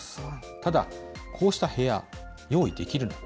ただ、こうした部屋、用意できるのか。